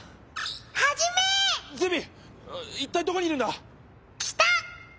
いったいどこにいるんだ？